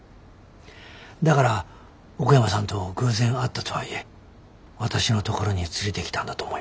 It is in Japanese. だから奥山さんと偶然会ったとはいえ私の所に連れてきたんだと思います。